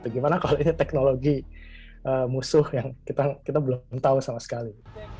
gimana kalau ini teknologi musuh yang kita belum tahu sama sekali